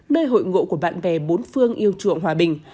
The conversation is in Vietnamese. nơi hội ngộ của bạn bè bốn phương yêu chuộng hòa bình